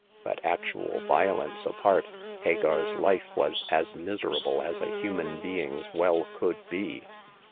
But, actual violence apart, Hagar's life was as miserable as a human being's well could be.